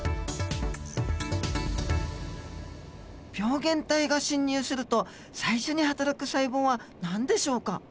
病原体が侵入すると最初にはたらく細胞は何でしょうか？